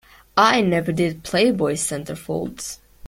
I never did "Playboy" centerfolds.